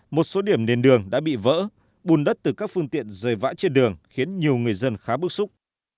một số điểm nền đường đã bị vỡ bùn đất từ các phương tiện rời vãi trên đường khiến nhiều người dân khá bức xúc